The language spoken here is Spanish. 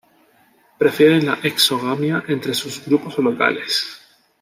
Prefieren la exogamia entre sus grupos locales.